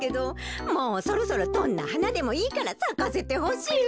もうそろそろどんなはなでもいいからさかせてほしいわ。